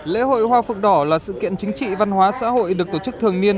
lễ hội hoa phượng đỏ là sự kiện chính trị văn hóa xã hội được tổ chức thường niên